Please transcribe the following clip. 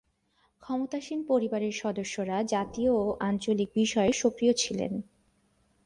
ক্ষমতাসীন পরিবারের সদস্যরা জাতীয় ও আঞ্চলিক বিষয়ে সক্রিয় ছিলেন।